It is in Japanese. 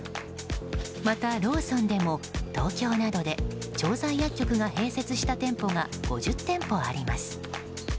またローソンでも、東京などで調剤薬局が併設した店舗が５０店舗あります。